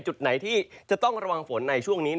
จุดไหนที่จะต้องระวังฝนในช่วงนี้